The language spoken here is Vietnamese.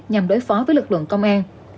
nhằm đối phó với lực lượng công an